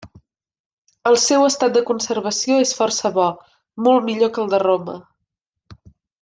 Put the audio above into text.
El seu estat de conservació és força bo, molt millor que el de Roma.